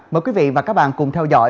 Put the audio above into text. mời quý vị và các bạn cùng theo dõi